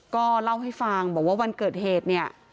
ก็เล่าให้ฟังบอกว่าวันเกิดเหตุเนี่ย